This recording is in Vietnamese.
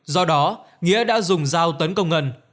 do đó nghĩa đã dùng dao tấn công ngân